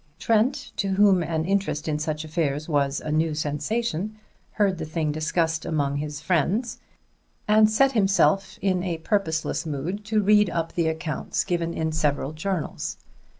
Trent, to whom an interest in such affairs was a new sensation, heard the thing discussed among his friends, and set himself in a purposeless mood to read up the accounts given in several journals.